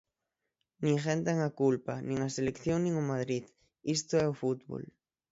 Ninguén ten a culpa, nin a selección nin o Madrid, isto é o fútbol.